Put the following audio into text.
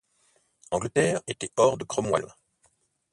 Angleterre était hors de Cromwell.